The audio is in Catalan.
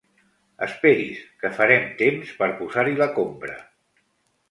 Esperi's que farem temps per posar-hi la compra.